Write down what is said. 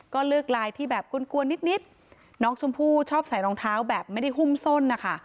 ก็เลือกลายที่แบบกลวนนิดน้องชมพู่ชอบใส่รองเท้าแบบไม่ได้หุ้มส้นนะคะ